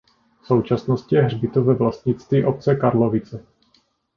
V současnosti je hřbitov ve vlastnictví obce Karlovice.